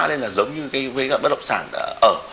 nên là giống như với các bất động sản ở